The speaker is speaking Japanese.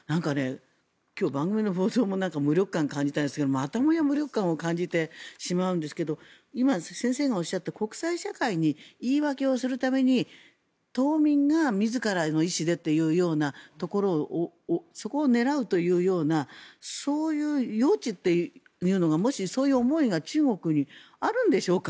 今日、番組の放送も無力感を感じますがまたもや無力感を感じてしまうんですが今、先生がおっしゃった国際社会に言い訳をするために島民が自らの意思でというようなところそこを狙うというようなそういう余地というのがそういう思いが中国にあるんでしょうか。